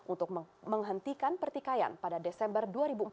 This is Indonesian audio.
untuk menghentikan pertikaian pada desember dua ribu empat belas